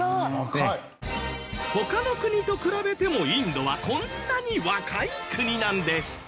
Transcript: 他の国と比べてもインドはこんなに若い国なんです。